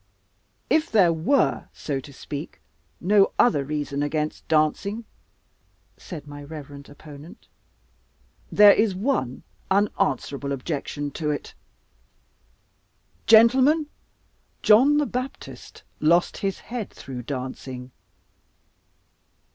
"If there were, so to speak, no other reason against dancing," said my reverend opponent, "there is one unanswerable objection to it. Gentlemen! John the Baptist lost his head through dancing!"